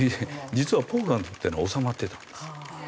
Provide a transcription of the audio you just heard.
実はポーランドっていうのは収まってたんです。